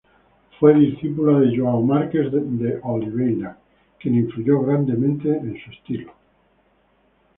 Fue discípula de João Marques de Oliveira, quien influyó grandemente en su estilo.